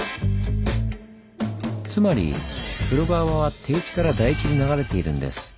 つまり風呂川は低地から台地に流れているんです。